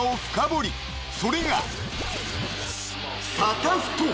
［それが］